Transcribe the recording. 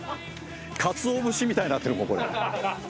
かつお節みたいになってるここ。